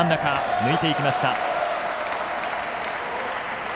抜いていきました。